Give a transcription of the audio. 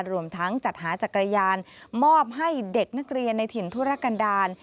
รวมทั้งจัดหาจักรยานมอบให้เด็กนักเรียนในถิ่นธุรกันดาล